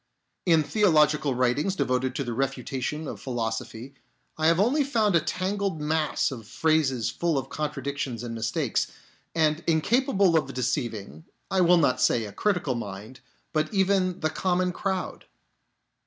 In theological writings devoted to the refutation of philosophy I have only found a tangled mass of phrases full of contradictions and mistakes, and incapable of deceiving, I will not say a critical mind, but even the common crowd.